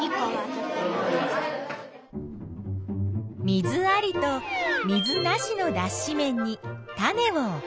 水ありと水なしのだっし綿に種を置く。